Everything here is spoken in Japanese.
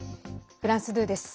フランス２です。